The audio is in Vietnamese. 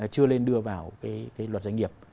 chưa lên đưa vào cái luật doanh nghiệp